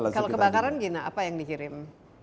kalau kebakaran gina apa yang dikirim